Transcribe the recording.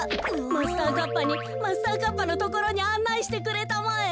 マスターカッパーにマスターカッパーのところにあんないしてくれたまえ。